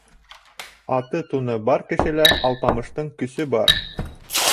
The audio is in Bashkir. Аты-туны бар кешелә алпамыштың көсө бар